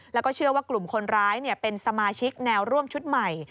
แล้วก็เชื่อว่ากลุ่มคนร้ายเป็นสมาชิกแนวร่วมชุดใหม่